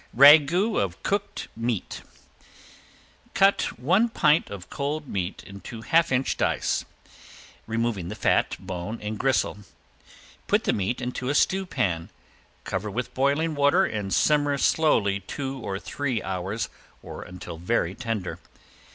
~RAGOUT OF COOKED MEAT~ Cut one pint of cold meat into half inch dice, removing the fat, bone and gristle. Put the meat into a stew pan, cover with boiling water and simmer slowly two or three hours or until very tender.